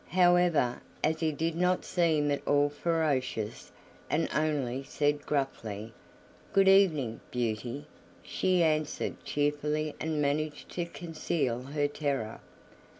However, as he did not seem at all ferocious, and only said gruffly: "Good evening, Beauty," she answered cheerfully and managed to conceal her terror.